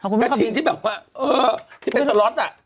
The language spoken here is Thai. กระทิงที่แบบว่าเออที่เป็นสล็อตอ่ะ